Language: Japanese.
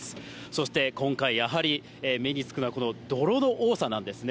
そして今回、やはり目に付くのは、この泥の多さなんですね。